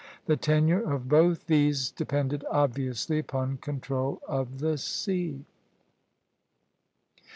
The tenure of both these depended, obviously, upon control of the sea.